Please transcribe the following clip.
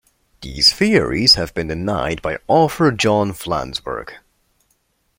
These theories have been denied by author John Flansburgh.